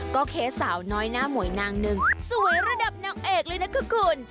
ก็เคสสาวน้อยหน้าหมวยนางหนึ่งสวยระดับนางเอกเลยนะคะคุณ